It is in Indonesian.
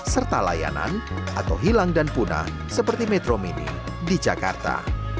serta layanan atau hilang dan punah seperti metro mini di jakarta